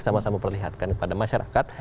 sama sama perlihatkan kepada masyarakat